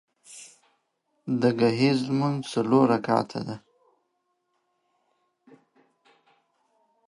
د ګهیځ لمونځ څلور رکعته ده